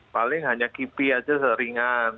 paling hanya kipi aja seringan